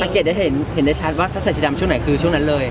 คิดได้ชัดว่าถ้าใช้สีดำช่วงไหนคือช่วงนั้นเลย